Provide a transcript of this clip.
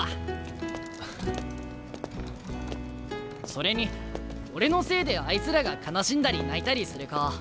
それに俺のせいであいつらが悲しんだり泣いたりする顔